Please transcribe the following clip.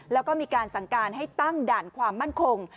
แล้วก็มีการสั่งการให้ตั้งด่านความมั่นคง